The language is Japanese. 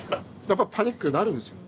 やっぱパニックになるんですよ。